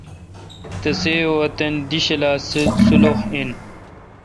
تسے° وطن دی ڄھلا سلُوخ این۔